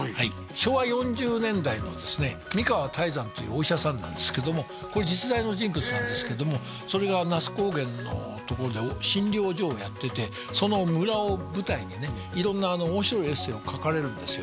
昭和４０年代のですね見川鯛山というお医者さんなんですけどもこれ実在の人物なんですけどもそれが那須高原のところで診療所をやっててその村を舞台にね色んな面白いエッセーを書かれるんですよ